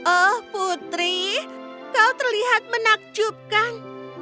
oh putri kau terlihat menakjubkan